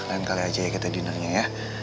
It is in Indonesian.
lain kali aja ya kita dinnernya ya